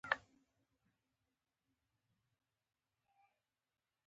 کور د ښه ژوند بنسټ دی.